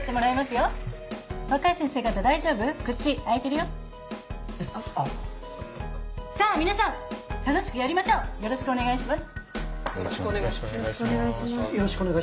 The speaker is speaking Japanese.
よろしくお願いします。